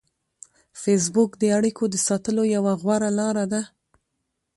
فېسبوک د اړیکو د ساتلو یوه غوره لار ده